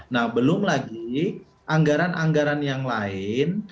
nah belum lagi anggaran anggaran yang lain